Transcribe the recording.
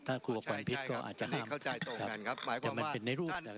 ถ้ากลัวควันพิษก็อาจจะห้ามแต่มันเป็นในรูปนะครับ